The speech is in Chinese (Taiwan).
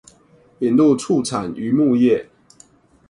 引入畜產漁牧業